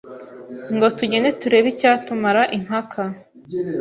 Ngo tugende turebe icyatumara impaka.